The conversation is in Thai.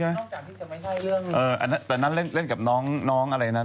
ใช่ป่ะที่เล่นเป็นคนติดยา